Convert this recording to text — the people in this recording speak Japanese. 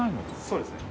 そうですね。